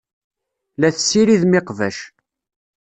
La tessiridem iqbac.